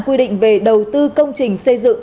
quy định về đầu tư công trình xây dựng